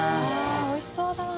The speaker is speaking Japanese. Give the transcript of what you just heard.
あっおいしそうだな。